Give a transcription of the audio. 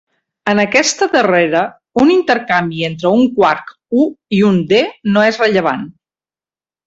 En aquesta darrera, un intercanvi entre un quark u i un d no és rellevant.